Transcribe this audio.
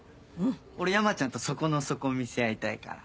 俺山ちゃんと底の底見せ合いたいから。